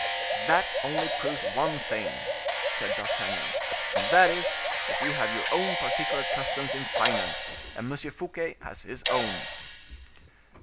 "That only proves one thing," said D'Artagnan; "and that is, that you have your own particular customs in finance, and M. Fouquet has his own."